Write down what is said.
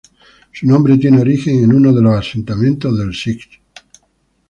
Su nombre tiene origen en uno de los asentamientos del Sich.